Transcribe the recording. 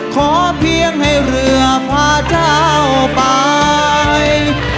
ขอเพียงให้เรือพาเจ้าไป